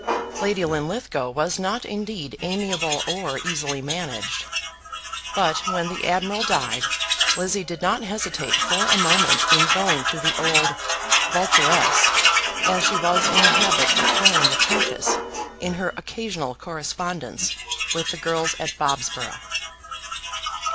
Lady Linlithgow was not indeed amiable or easily managed. But when the admiral died, Lizzie did not hesitate for a moment in going to the old "vulturess," as she was in the habit of calling the countess in her occasional correspondence with the girls at Bobsborough.